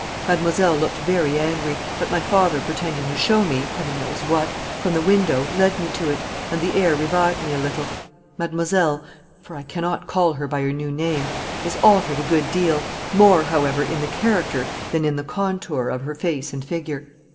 Mademoiselle looked very angry, but my father pretending to show me, heaven knows what, from the window, led me to it, and the air revived me a little. Mademoiselle (for I cannot call her by her new name) is altered a good deal more, however, in the character than in the contour of her face and figure.